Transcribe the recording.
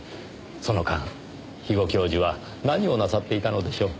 その間肥後教授は何をなさっていたのでしょう？